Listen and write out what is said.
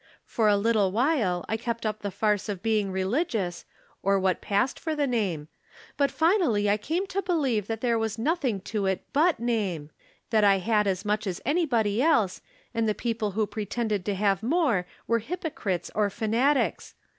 For a little while I kept up the farce of being re ligious, or what passed for the name ; but finally I came to believe that there was nothing to it hut name ; that I had as much as anybody else, and the people who pretended to have more were hypocrites or fanatics.